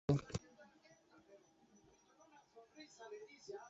Es hincha de Huachipato.